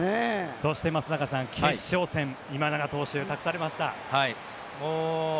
そして、松坂さん決勝戦は今永投手に託されました。